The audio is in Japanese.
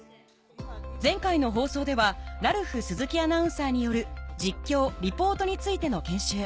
前回の放送ではラルフ鈴木アナウンサーによる「実況・リポートについて」の研修